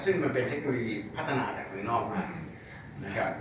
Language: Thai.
ซึ่งมันเป็นเทคโนโลยีพัฒนาจากภายนอกมานะครับ